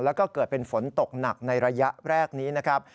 แล้วก็เกิดเป็นฝนตกหนักในระยะแรกนี้นะครับ